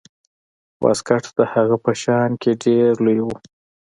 واسکټ د هغه په ځان کې ډیر لوی و.